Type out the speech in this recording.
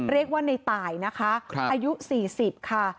เรียกว่าในตายนะคะอายุ๔๐ค่ะ